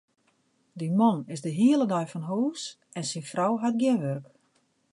Dy man is de hiele dei fan hûs en syn frou hat gjin wurk.